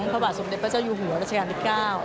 พระบาทสมเด็จพระเจ้าอยู่หัวรัชกาลที่๙